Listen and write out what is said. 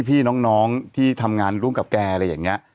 พี่น้องที่ทำงานร่วมกับแกอะไรอย่างนี้